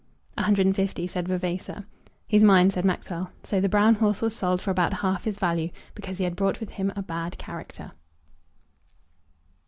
"A hundred and fifty," said Vavasor. "He's mine," said Maxwell. So the brown horse was sold for about half his value, because he had brought with him a bad character.